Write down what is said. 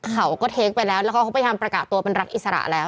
เขาก็เทคไปแล้วแล้วเขาไปทำประกาศตัวเป็นรัฐอิสระแล้ว